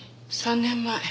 ３年前。